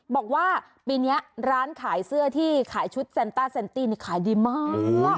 บอกว่าปีนี้ร้านขายเสื้อที่ขายชุดแซนต้าแซนตี้นี่ขายดีมาก